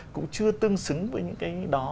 cũng chưa tương xứng với những người chụp ảnh đó